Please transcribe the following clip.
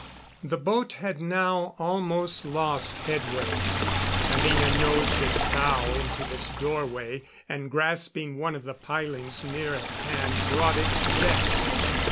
The boat had now almost lost headway. Anina nosed its bow into this doorway, and grasping one of the pilings near at hand, brought it to rest.